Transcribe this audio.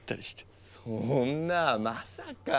そんなまさか。